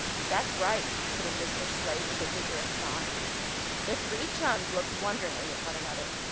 "That's right," put in Mr. Slade, with a vigorous nod. The three chums looked wonderingly at one another.